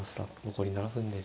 残り７分です。